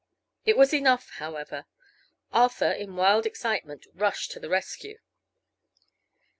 It was enough, however. Arthur, in wild excitement, rushed to the rescue.